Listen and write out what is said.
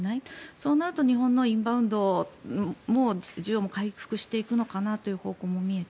そうなると日本のインバウンド需要も回復していくのかなという方向も見えて